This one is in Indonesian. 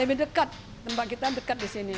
lebih dekat tempat kita dekat di sini